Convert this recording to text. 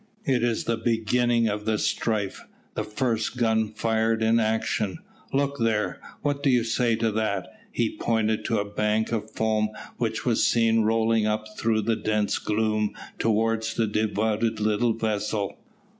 "It is the beginning of the strife the first gun fired in action. Look there, what do you say to that?" He pointed to a bank of foam which was seen rolling up through the dense gloom towards the devoted little vessel.